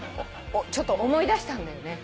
ちょっと思い出したんだよね。